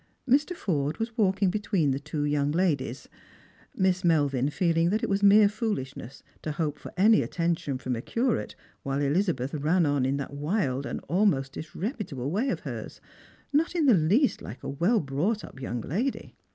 Mr. Forde was walking bc^^weeu the two young ladies, Miss Melvin feeling Strangers and Pilgrims. 55 that it was mere foolishness to hope for any attention from a curate while Elizabeth ran on in that wild and almost dis reputable way of hers, not in the least like a well brought up young lady.